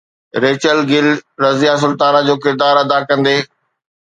Rachel گل رضيه سلطانه جو ڪردار ادا ڪندي